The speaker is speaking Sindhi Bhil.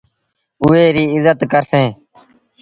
اُئي ريٚ ازت ڪرسي۔